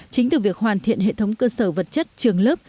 chính từ việc hoàn thiện hệ thống cơ sở vật chất trường lớp